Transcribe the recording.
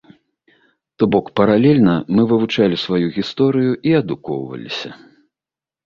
То бок, паралельна мы вывучалі сваю гісторыю і адукоўваліся.